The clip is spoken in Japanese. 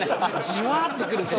じゅわってくるんです。